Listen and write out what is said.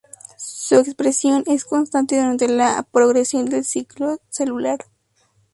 Su expresión es constante durante la progresión del ciclo celular.